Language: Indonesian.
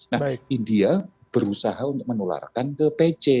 nah india berusaha untuk menularkan ke pc